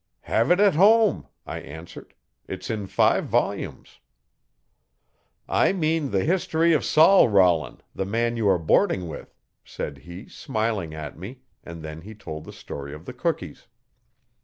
'Have it at home,' I answered, 'It's in five volumes.' 'I mean the history of Sol Rollin, the man you are boarding with,' said he smiling at me and then he told the story of the cookies.